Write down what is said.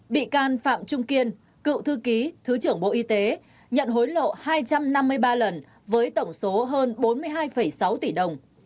bị can phạm trung kiên cựu thư ký thứ trưởng bộ y tế nhận hối lộ hai trăm năm mươi ba lần với tổng số hơn bốn mươi hai sáu tỷ đồng